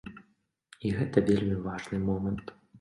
І гэта вельмі важны момант.